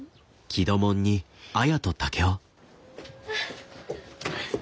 あっ。